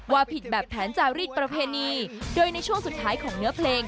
ผิดแบบแผนจาริสประเพณีโดยในช่วงสุดท้ายของเนื้อเพลง